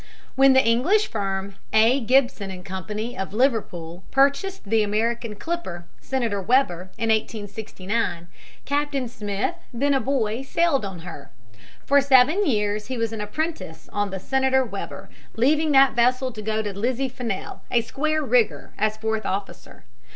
When the English firm, A. Gibson & Co.9 of Liverpool, purchased the American clipper, Senator Weber, in 1869, Captain Smith, then a boy, sailed on her. For seven years he was an apprentice on the Senator Weber, leaving that vessel to go to the Lizzie Fennell, a square rigger, as fourth officer.